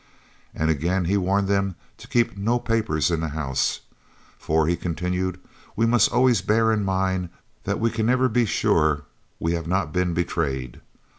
And again he warned them to keep no papers in the house "for," he continued, "we must always bear in mind that we can never be sure we have not been betrayed.